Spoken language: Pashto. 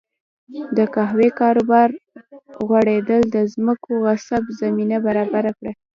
د قهوې کاروبار غوړېدل د ځمکو غصب زمینه برابره کړه.